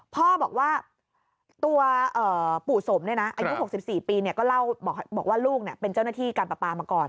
พ่อบอกว่าตัวปู่สมเนี่ยนะอายุ๖๔ปีเนี่ยก็บอกว่าลูกเนี่ยเป็นเจ้าหน้าที่กันประปามาก่อน